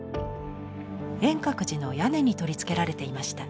円覚寺の屋根に取り付けられていました。